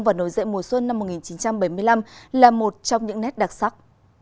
và nổi dậy mùa xuân năm một nghìn chín trăm bảy mươi năm là một trong những nét đặc sắc